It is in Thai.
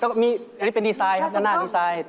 อันนี้เป็นดีไซน์ครับด้านหน้าดีไซน์